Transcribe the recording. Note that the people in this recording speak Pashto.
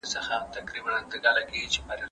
مثبت چلند اعتماد زیاتوي.